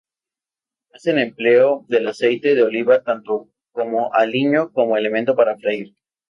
Hacen empleo del aceite de oliva tanto como aliño como elemento para freír.